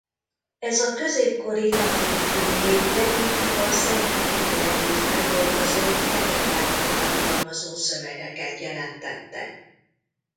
Ez a középkori latin főnév leginkább a szentek életét feldolgozó legendákat tartalmazó szövegeket jelentette.